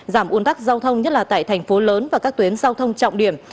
giảm un tắc giao thông nhất là tại thành phố lớn và các tuyến giao thông trọng điểm